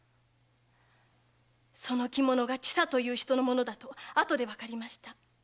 その着物が千佐という人の物だとあとでわかりました。